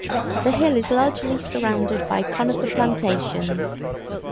The hill is largely surrounded by conifer plantations.